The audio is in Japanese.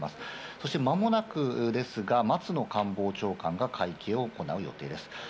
そしてまもなくですが、松野官房長官が会見を行う予定です。